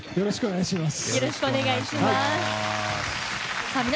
よろしくお願いします。